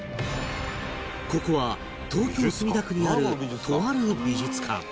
ここは東京墨田区にあるとある美術館